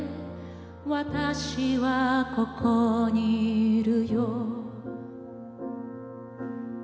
「私はここにいるよ」